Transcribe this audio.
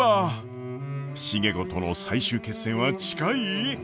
重子との最終決戦は近い？